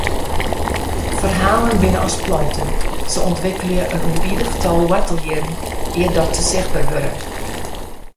Ferhalen binne as planten, se ûntwikkelje in ûnbidich tal woartelhierren eardat se sichtber wurde.